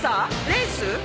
レース？